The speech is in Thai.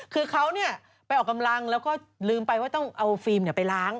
คือเขาไปออกกำลังแล้วก็ลืมไปว่าต้องเอาฟิล์มไปล้าง